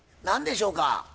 何でしょうか？